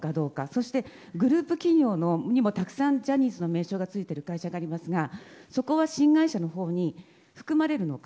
そして、グループ企業にもたくさん、ジャニーズの名称がついてる会社がありますがそこは新会社のほうに含まれるのか。